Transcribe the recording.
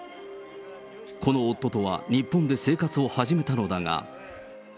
この夫とは日本で生活を始めたのだが。